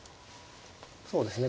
そうですね